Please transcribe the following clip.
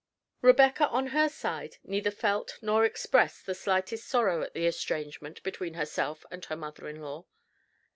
Rebecca on her side neither felt nor expressed the slightest sorrow at the estrangement between herself and her mother in law.